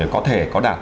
có thể có đạt